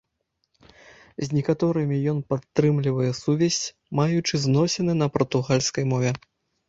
З некаторымі ён падтрымлівае сувязь, маючы зносіны на партугальскай мове.